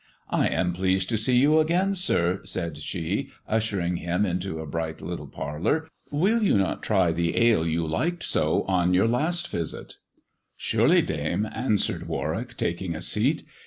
" I am pleased to see you again, sir," said she, ushering him into a bright little parlour ;" will you not try the ale you liked so at your last visit 1 "" Surely, dame," answered Warwick, taking a seat.